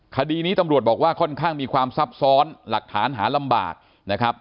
คดีนี้ตำรวจบอกว่าค่อนข้างมีความซับซ้อนหลักฐานหาลำบากนะครับ